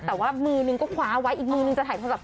แต่ว่ามือนึงก็คว้าไว้อีกมือนึงจะถ่ายโทรศัพ